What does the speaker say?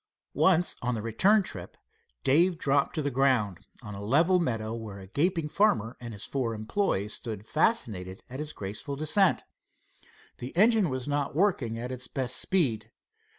Once on the return trip, Dave dropped to the ground, on a level meadow where a gaping farmer and his four employees stood fascinated at his graceful descent. The engine was not working at its best speed.